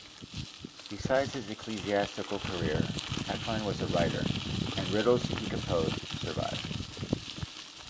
Besides his ecclesiastical career, Tatwine was a writer, and riddles he composed survive.